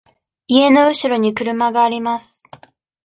家のうしろに車があります。